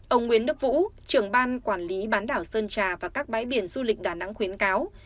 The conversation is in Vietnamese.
ông nguyễn đức vũ trưởng ban quản lý bán đảo sơn trà và các bãi biển du lịch đà nẵng khuyến cáo